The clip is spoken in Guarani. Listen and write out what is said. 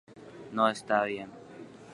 Tavaygua reko.